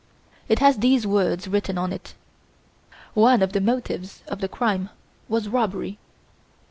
It has these words written on it: 'One of the motives of the crime was robbery.